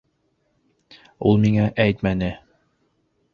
Ул миңә әйтмәне.